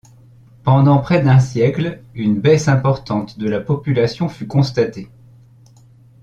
Pendant près d'un siècle, une baisse importante de la population fut constatée.